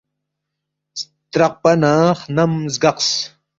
سترقپا نہ خنم زگقس